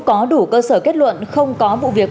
có đủ cơ sở kết luận không có vụ việc